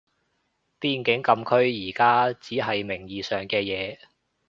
邊境禁區而家只係名義上嘅嘢